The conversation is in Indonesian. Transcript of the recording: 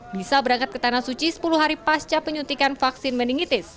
bisa berangkat ke tanah suci sepuluh hari pasca penyelenggaraan